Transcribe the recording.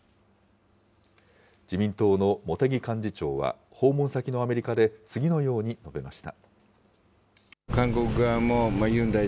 自民党の茂木幹事長は訪問先のアメリカで、次のように述べました。